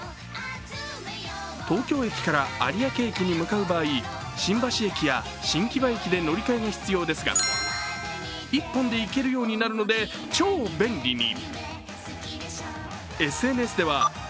東京駅から有明駅に向かう場合新橋駅や新木場駅で乗り換えが必要ですが、一本で行けるようになるので超便利に。